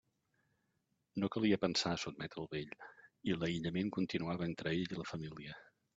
No calia pensar a sotmetre el vell, i l'aïllament continuava entre ell i la família.